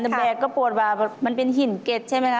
แต่แบกก็ปวดว่ามันเป็นหินเก็ตใช่ไหมคะ